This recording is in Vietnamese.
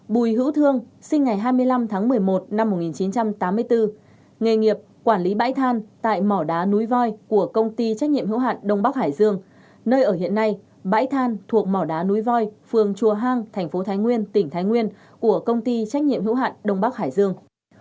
bùi hữu thương sinh ngày hai mươi năm tháng một mươi một năm một nghìn chín trăm tám mươi bốn nghề nghiệp quản lý bãi than tại mỏ đá núi voi của công ty trách nhiệm hữu hạn đông bắc hải dương nơi ở hiện nay bãi than thuộc mỏ đá núi voi phường chùa hang thành phố thái nguyên tỉnh thái nguyên của công ty trách nhiệm hữu hạn đông bắc hải dương